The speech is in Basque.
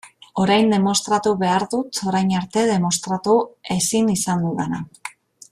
Orain demostratu behar dut orain arte demostratu ezin izan dudana.